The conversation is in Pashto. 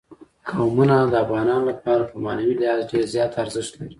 قومونه د افغانانو لپاره په معنوي لحاظ ډېر زیات ارزښت لري.